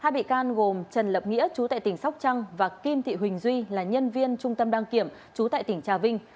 hai bị can gồm trần lập nghĩa chú tại tỉnh sóc trăng và kim thị huỳnh duy là nhân viên trung tâm đăng kiểm trú tại tỉnh trà vinh